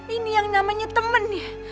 ini yang namanya temen nih